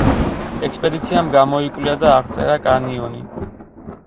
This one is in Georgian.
ექსპედიციამ გამოიკვლია და აღწერა კანიონი.